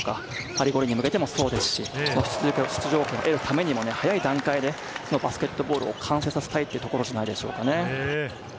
パリ五輪に向けてもそうですし、出場権を得るためにも早い段階で、そのバスケットボールを完成させたいというところじゃないでしょうかね。